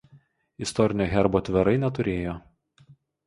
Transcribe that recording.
Istorinio herbo Tverai neturėjo.